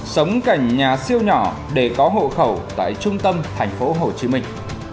sống cảnh nhà siêu nhỏ để có hộ khẩu tại trung tâm thành phố hồ chí minh